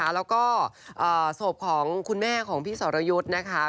แล้วก็ศพของคุณแม่ของพี่สรยุทธ์นะคะ